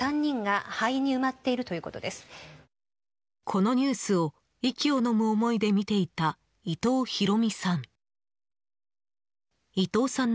このニュースを息をのむ思いで見ていた、伊藤ひろ美さん。